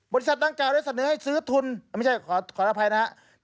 ดังกล่าได้เสนอให้ซื้อทุนไม่ใช่ขออภัยนะครับ